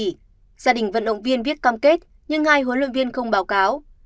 gia đình vận động viên viết cam kết nhưng hai huấn luyện viên không báo cáo